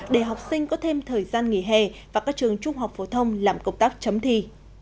để học sinh có thêm thời gian nghỉ hè và các trường trung học phổ thông làm công tác chấm thi